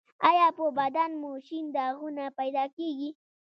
ایا په بدن مو شین داغونه پیدا کیږي؟